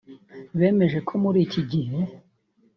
bemeje ko muri iki gihe